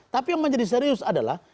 tapi yang menjadi serius adalah